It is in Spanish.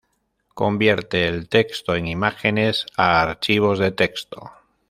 Convierte el texto en imágenes a archivos de texto.